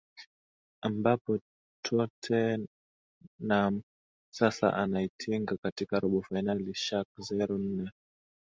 ambapo totternam sasa anaitinga katika robo fainali shak zero nne